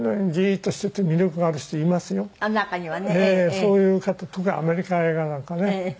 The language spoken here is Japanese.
そういう方とかアメリカ映画なんかね。